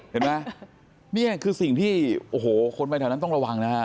เห็นไหมนี่คือสิ่งที่โอ้โหคนไปแถวนั้นต้องระวังนะฮะ